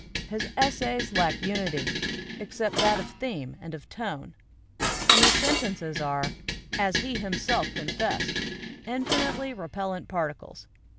His essays lack unity, except that of theme and 107 AMERICAN APHORISMS of tone; and his sentences are, as he himself con fessed, " infinitely repellent particles."